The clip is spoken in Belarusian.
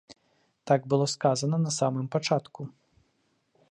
Так было сказана на самым пачатку.